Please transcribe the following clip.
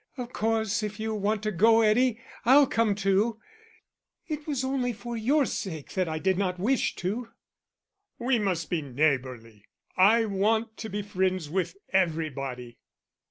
"Of course if you want to go, Eddie, I'll come too.... It was only for your sake that I did not wish to." "We must be neighbourly. I want to be friends with everybody."